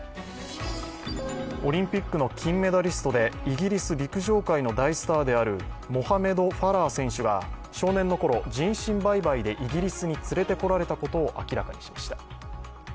オリンピックの金メダリストでイギリス陸上界の大スターであるモハメド・ファラー選手が、少年のころ人身売買でイギリスに連れてこられたことを明らかにしました。